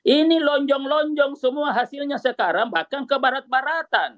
ini lonjong lonjong semua hasilnya sekarang bahkan ke barat baratan